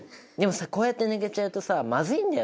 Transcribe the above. さこうやって抜けちゃうとさまずいんだよね。